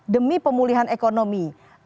demi pemulihan ekonomi